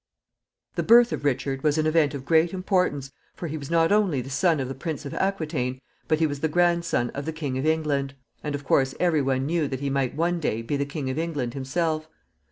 ] The birth of Richard was an event of great importance, for he was not only the son of the Prince of Aquitaine, but he was the grandson of the King of England, and, of course, every one knew that he might one day be the King of England himself.